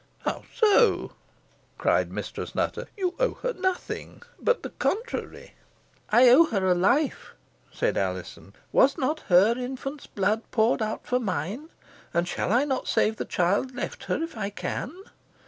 "How so?" cried Mistress Nutter. "You owe her nothing but the contrary." "I owe her a life," said Alizon. "Was not her infant's blood poured out for mine! And shall I not save the child left her, if I can?"